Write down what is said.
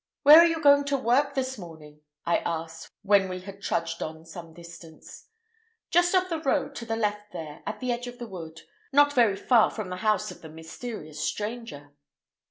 "Where are you going to work this morning?" I asked, when we had trudged on some distance. "Just off the road to the left there, at the edge of the wood. Not very far from the house of the mysterious stranger."